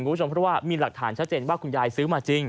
คุณผู้ชมเพราะว่ามีหลักฐานชัดเจนว่าคุณยายซื้อมาจริง